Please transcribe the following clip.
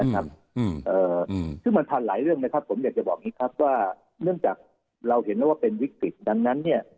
ขึ้นมันพาหลายเรื่องนะครับเรื่องจากเราเห็นว่าเป็นวิกฤตนั้นนะ